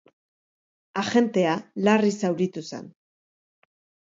Agentea larri zauritu zen.